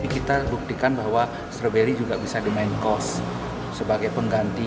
kita buktikan bahwa stroberi juga bisa dimain kos sebagai pengganti